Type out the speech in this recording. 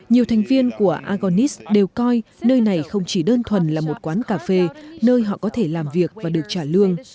nhiều thành viên của agonis đều coi nơi này không chỉ đơn thuần là một quán cà phê nơi họ có thể làm việc và được trả lương